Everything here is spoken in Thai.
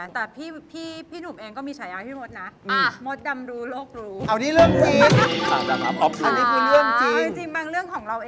แต่พี่หนุ่มเองก็มีฉายาให้พี่มดนะ